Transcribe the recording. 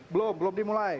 belum belum dimulai